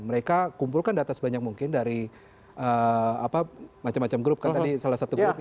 mereka kumpulkan data sebanyak mungkin dari macam macam grup kan tadi salah satu grup ya